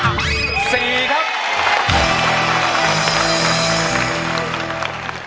๔ครับ